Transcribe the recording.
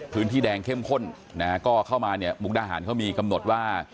พื้นที่แดงเข้มข้นนะฮะก็เข้ามาเนี่ยมุกดาหารเขามีกำหนดว่า